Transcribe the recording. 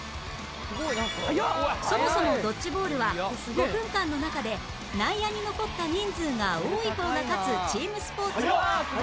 そもそもドッジボールは５分間の中で内野に残った人数が多い方が勝つチームスポーツ